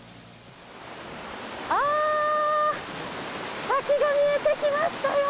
あー、滝が見えてきましたよ。